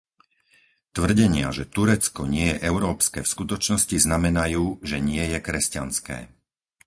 Tvrdenia, že Turecko nie je európske v skutočnosti znamenajú, že nie je kresťanské.